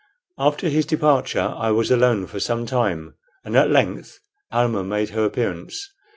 After his departure I was alone for some time, and at length Almah made her appearance.